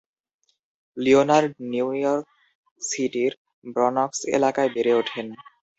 Leonard New York সিটির Bronx এলাকায় বেড়ে ওঠেন।